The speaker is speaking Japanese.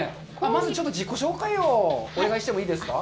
まずちょっと自己紹介をお願いしてもいいですか。